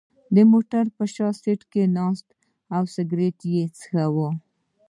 د موټر په شا سېټ کې ناست و او سګرېټ یې څکاو.